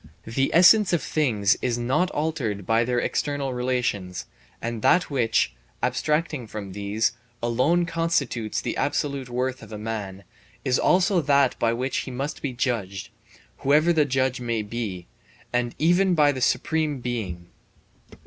The essence of things is not altered by their external relations, and that which, abstracting from these, alone constitutes the absolute worth of man, is also that by which he must be judged, whoever the judge may be, and even by the Supreme Being.